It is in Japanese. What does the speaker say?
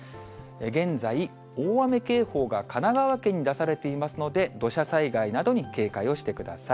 現在、大雨警報が神奈川県に出されていますので、土砂災害などに警戒をしてください。